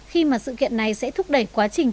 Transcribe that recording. khi mà sự kiện này sẽ thúc đẩy quá trình